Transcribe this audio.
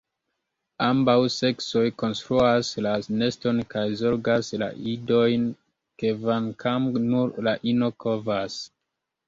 Ambaŭ seksoj konstruas la neston kaj zorgas la idojn, kvankam nur la ino kovas.